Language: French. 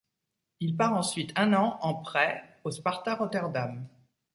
Il part ensuite un an en prêt au Sparta Rotterdam.